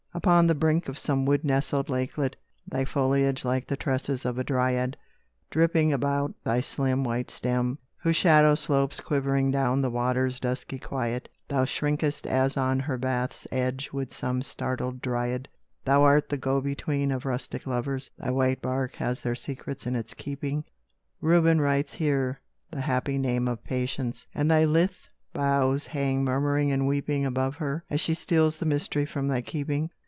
Upon the brink of some wood nestled lakelet, Thy foliage, like the tresses of a Dryad, Dripping about thy slim white stem, whose shadow Slopes quivering down the water's dusky quiet, Thou shrink'st as on her bath's edge would some startled Dryad. Thou art the go between of rustic lovers; Thy white bark has their secrets in its keeping; Reuben writes here the happy name of Patience, And thy lithe boughs hang murmuring and weeping Above her, as she steals the mystery from thy keeping.